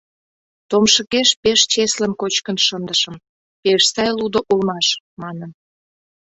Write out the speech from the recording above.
«Томшыкеш пеш чеслын кочкын шындышым, пеш сай лудо улмаш», — манын.